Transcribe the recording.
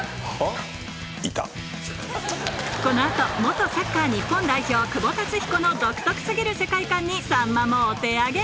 この後元サッカー日本代表久保竜彦の独特過ぎる世界観にさんまもお手上げ！